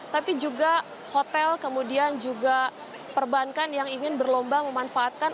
tapi juga hotel kemudian juga perbankan yang ingin berlomba memanfaatkan